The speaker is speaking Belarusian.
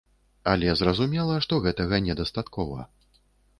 Але зразумела, што гэтага не дастаткова.